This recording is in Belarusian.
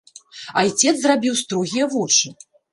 Айцец зрабіў строгія вочы.